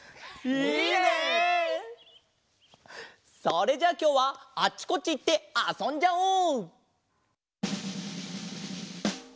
それじゃあきょうはあっちこっちいってあそんじゃおう！